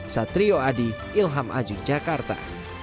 satrio adi ilham aji jakarta